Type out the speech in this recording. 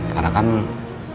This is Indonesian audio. karena kan adi udah ada disini